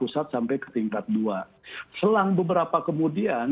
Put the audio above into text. selang beberapa kemudian